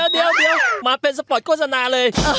เดี๋ยวมาเป็นสปอร์ตโฆษณาเลย